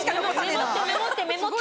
メモってメモって。